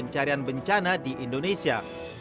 pencarian bencana di indonesia